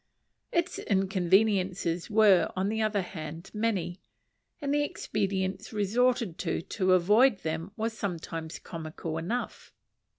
Its inconveniences were, on the other hand, many, and the expedients resorted to to avoid them were sometimes comical enough.